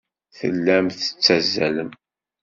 Tellam tettazzalem.